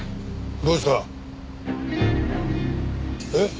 どうした？えっ？